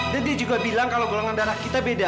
dan dia juga bilang kalau golongan darah kita beda